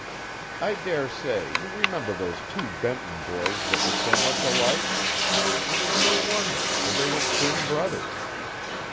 I dare say you remember those two Benton boys that were so much alike? It is no wonder, for they were twin brothers.